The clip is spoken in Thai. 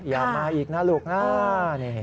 อย่ามาอีกนะลูกนะ